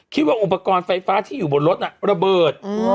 คิดว่าอุปกรณ์ไฟฟ้าที่อยู่บนรถน่ะระเบิด